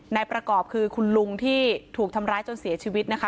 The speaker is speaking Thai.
นายประกอบคือคุณลุงที่ถูกทำร้ายจนเสียชีวิตนะคะ